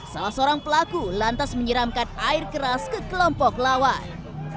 salah seorang pelaku lantas menyiramkan air keras ke kelompok lawan